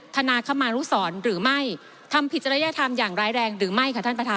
ธนาคมานุสรหรือไม่ทำผิดจริยธรรมอย่างร้ายแรงหรือไม่ค่ะท่านประธาน